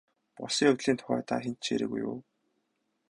Болсон явдлын тухай та хэнд ч яриагүй юу?